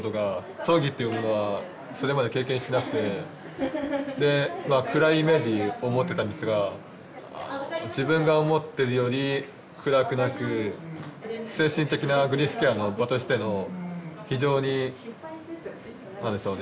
葬儀っていうものはそれまで経験してなくてで暗いイメージを持ってたんですが自分が思ってるより暗くなく精神的なグリーフケアの場としての非常に何でしょうね